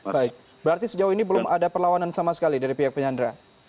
baik berarti sejauh ini belum ada perlawanan sama sekali dari pihak penyandra